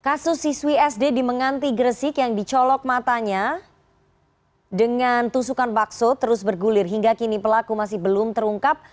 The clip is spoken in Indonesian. kasus siswi sd di menganti gresik yang dicolok matanya dengan tusukan bakso terus bergulir hingga kini pelaku masih belum terungkap